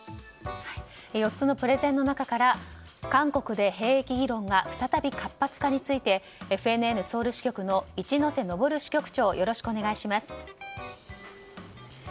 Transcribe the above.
４つのプレゼンの中から韓国で兵役議論が再び活発化についてＦＮＮソウル支局の一之瀬登支局長よろしくお願いします。